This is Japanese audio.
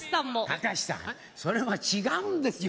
たかしさんそれは違うんですよ